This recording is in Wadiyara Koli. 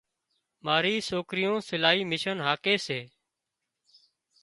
ماري سوڪريون سلائي مِشين هاڪي سي